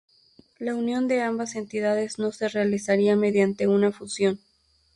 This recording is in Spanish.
La unión de ambas entidades no se realizaría mediante una fusión.